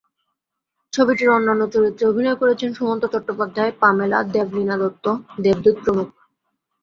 ছবিটির অন্যান্য চরিত্রে অভিনয় করেছেন সুমন্ত চট্টোপাধ্যায়, পামেলা, দেবলীনা দত্ত, দেবদূত প্রমুখ।